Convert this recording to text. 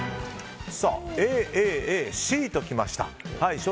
Ａ、Ａ、Ａ、Ｃときました。